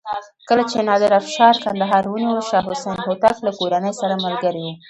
کله چې نادر افشار کندهار ونیو شاه حسین هوتک له کورنۍ سره ملګری و.